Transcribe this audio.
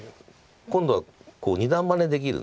今度は二段バネできるんです。